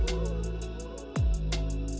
kepala penelitian bintang